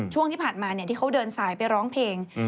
ช่วงที่ผ่านมาที่เขาเดินสายไปร้องเพลง